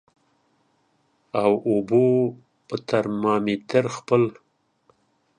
او اوبو په ترمامیټر خپل